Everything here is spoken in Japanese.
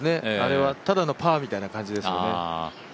ただのパーみたいな感じですよね。